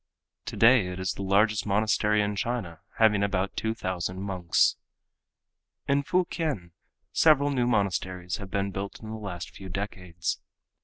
Today it is the largest monastery in China, having about two thousand monks. In Fukien several new monasteries have been built in the last few decades.